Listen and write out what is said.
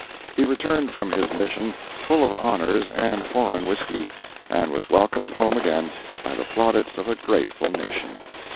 He returned from his mission full of honors and foreign whisky, and was welcomed home again by the plaudits of a grateful nation.